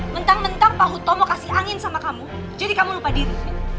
mentang mentang pak hutomo kasih angin sama kamu jadi kamu lupa diri